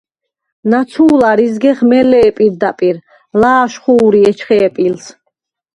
ნაცუ̄ლარ იზგეხ მელე̄ პირდაპირ, ლა̄შხუ̄რი ეჩხე̄ პილს.